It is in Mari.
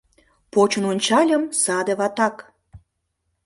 Почын ончальым — саде ватак.